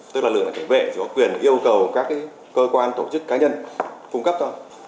tức là lực lượng cảnh vệ có quyền yêu cầu các cơ quan tổ chức cá nhân cung cấp cho